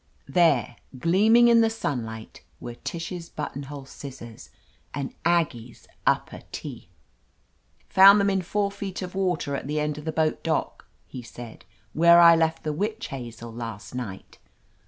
There, gleaming in the sunlight, were TisKs buttonhole scissors and Aggie's upper teeth! "Found them in four feet of water at the end of the boat dock," he said, "where I left the Witch Hazel last night.